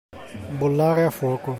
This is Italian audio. Bollare a fuoco.